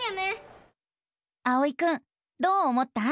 あおいくんどう思った？